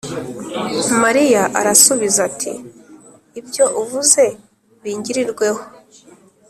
Mariya arasubiza ati: « Ibyo uvuze bingirirweho. »